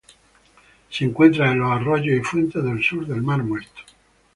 Se encuentran en los arroyos y fuentes del sur del mar Muerto.